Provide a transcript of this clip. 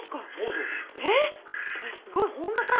すごい本田さん